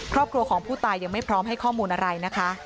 ครอบครัวของผู้ตายยังไม่พร้อมให้ข้อมูลอะไรนะคะ